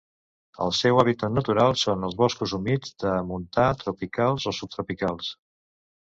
El seu hàbitat natural són els boscos humits de montà tropicals o subtropicals.